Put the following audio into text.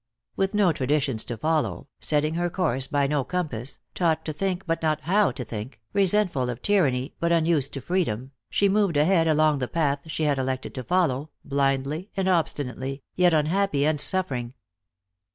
With no traditions to follow, setting her course by no compass, taught to think but not how to think, resentful of tyranny but unused to freedom, she moved ahead along the path she had elected to follow, blindly and obstinately, yet unhappy and suffering.